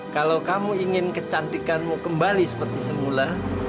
kalau kamu ingin kecantikanmu kembali seperti semula